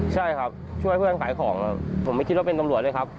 ใช่ครับช่วยเพื่อนขายของครับผมไม่คิดว่าเป็นตำรวจด้วยครับ